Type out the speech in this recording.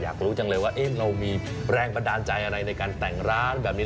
อยากรู้จังเลยว่าเรามีแรงบันดาลใจอะไรในการแต่งร้านแบบนี้